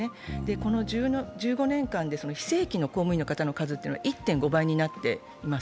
この１５年間で非正規の公務員の方の数は１．５倍になっています。